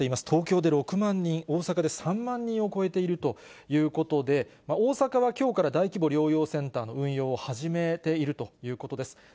東京で６万人、大阪で３万人を超えているということで、大阪はきょうから大規模療養センターの運用を始めているということです。